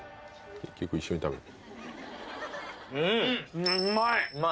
結局一緒に食べるうまい